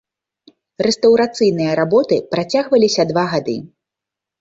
Рэстаўрацыйныя работы працягваліся два гады.